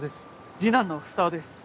次男の二男です。